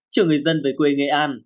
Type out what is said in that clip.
chờ người dân về quê nghệ an